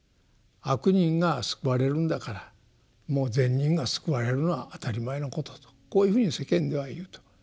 悪人が救われるんだからもう善人が救われるのは当たり前のこととこういうふうに世間では言うと。